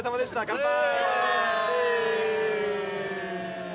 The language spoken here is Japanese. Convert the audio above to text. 乾杯！